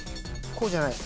こうじゃない。